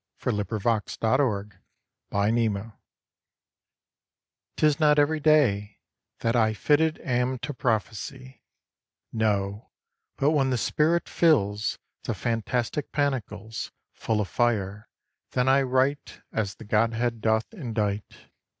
NOT EVERY DAY FIT FOR VERSE 'Tis not ev'ry day that I Fitted am to prophesy: No, but when the spirit fills The fantastic pannicles, Full of fire, then I write As the Godhead doth indite.